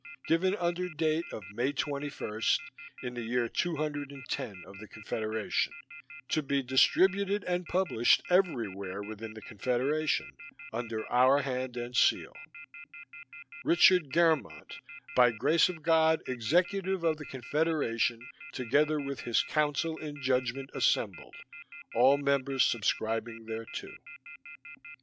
Given under date of May 21, in the year two hundred and ten of the Confederation, to be distributed and published everywhere within the Confederation, under Our hand and seal: Richard Germont by Grace of God Executive of the Confederation together with His Council in judgment assembled all members subscribing thereto.